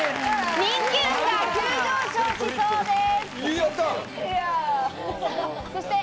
人気運が急上昇しそうです。